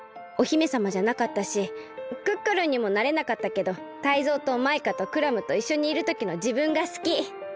お姫さまじゃなかったしクックルンにもなれなかったけどタイゾウとマイカとクラムといっしょにいるときのじぶんがすき！